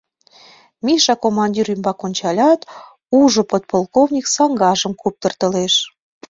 Миша командир ӱмбак ончалят, ужо: подполковник саҥгажым куптыртылеш.